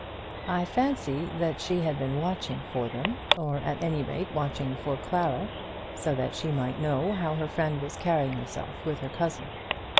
I fancy that she had been watching for them, or at any rate watching for Clara, so that she might know how her friend was carrying herself with her cousin.